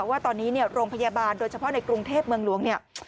ว่าตอนนี้เนี่ยโรงพยาบาลโดยเฉพาะในกรุงเทพเมืองหลวงเนี่ย